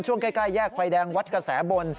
ช่วงใกล้แยกไฟแดงวัดกระแสบน